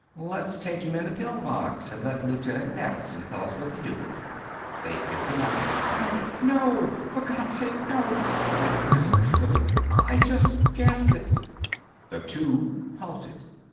"Let's take him in the pill box an' let Loot'n't Madison tell us what to do with him." They picked him up. "No! No! For Gawd's sake, no!" cried the prisoner shrilly. "I just gassed it!" The two halted.